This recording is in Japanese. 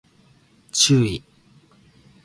注意